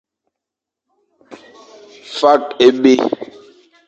Fakh ébi.